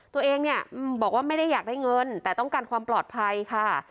ตัวเองเนี่ยบอกว่าไม่ได้อยากได้เงินแต่ต้องการความปลอดภัยค่ะ